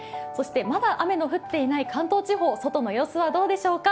まだ雨の降っていない関東地方、外の様子はどうでしょうか。